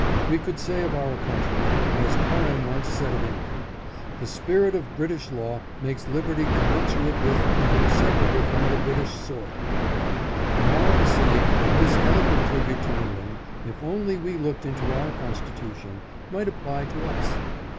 We could say of our country, as Curran once said of England, " The spirit of British law makes liberty commensurate with and inseparable from the British soil." Now I say that this eloquent tribute to England, if only we looked into our constitution, might apply to us.